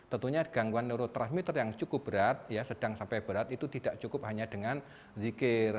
tentunya gangguan neurotrahmitter yang cukup berat sedang sampai berat itu tidak cukup hanya dengan zikir